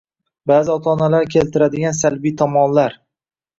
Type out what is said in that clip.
Ba’zi ota-onalar keltiradigan salbiy tomonlar: